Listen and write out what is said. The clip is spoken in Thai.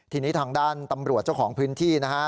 ทีนี้ทางด้านตำรวจเจ้าของพื้นที่นะฮะ